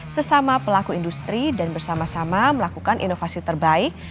sesama pelaku industri dan bersama sama melakukan inovasi terbaik